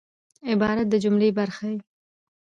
عبارت د جملې برخه يي.